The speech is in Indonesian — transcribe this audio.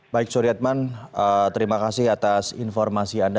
baik surya edman terima kasih atas informasi anda